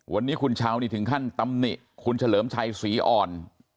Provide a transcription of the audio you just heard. วันนี้คุณเช้านี่ถึงขั้นตำหนิคุณเฉลิมชัยศรีอ่อน